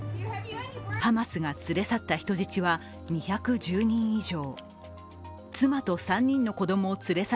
ハマスが連れ去った人質は２１０人以上。